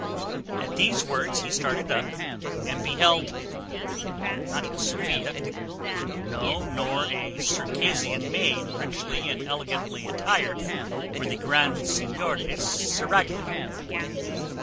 At these words he started up, and beheld not his Sophia no, nor a Circassian maid richly and elegantly attired for the grand Signior's seraglio.